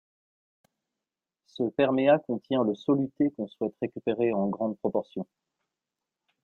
Ce pérméat contient le soluté qu'on souhaite récupéré en grande proportion.